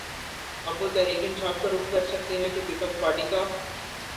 اب وہ تحریک انصاف کا رخ کر سکتے ہیں کہ پیپلز پارٹی کا